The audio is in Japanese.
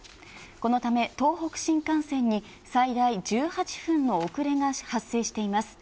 このため、東北新幹線に最大１８分の遅れが発生しています。